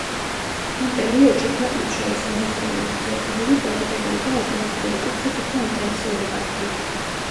ამ პერიოდში ქვეყნებს შორის ორმხრივი ურთიერთობები პოლიტიკური და ეკონომიკური კუთხით უფრო ინტენსიური გახდა.